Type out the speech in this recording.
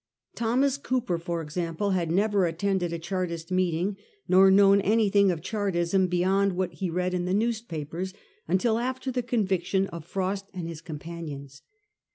Thomas Cooper, for example, had never attended a Chartist meeting, nor known anything of Chartism beyond what he read in the newspapers, until after the conviction of Frost and his companions.